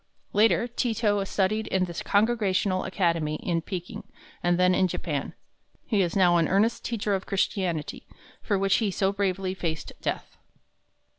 Later Ti to studied in the Congregational Academy in Peking, and then in Japan. He is now an earnest teacher of Christianity, for which he so bravely faced death.